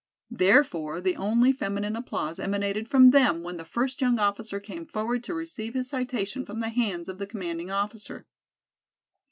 Therefore the only feminine applause emanated from them when the first young officer came forward to receive his citation from the hands of the Commanding Officer.